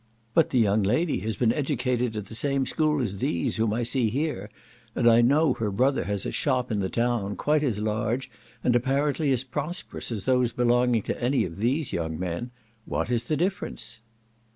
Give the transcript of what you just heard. "But the young lady has been educated at the same school as these, whom I see here, and I know her brother has a shop in the town, quite as large, and apparently as prosperous, as those belonging to any of these young men. What is the difference?"